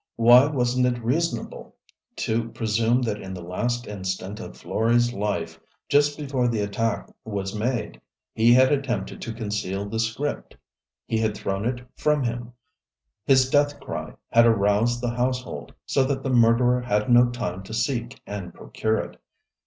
Why wasn't it reasonable to presume that in the last instant of Florey's life, just before the attack was made, he had attempted to conceal the script. He had thrown it from him; his death cry had aroused the household so that the murderer had no time to seek and procure it.